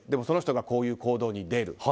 その人がこういう行動に出る。